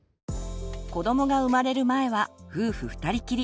子どもが生まれる前は夫婦ふたりきり。